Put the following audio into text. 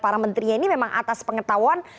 para menterinya ini memang atas pengetahuan